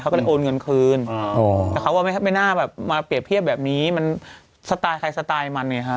ก็เลยโอนเงินคืนแต่เขาก็ไม่น่าแบบมาเปรียบเทียบแบบนี้มันสไตล์ใครสไตล์มันไงฮะ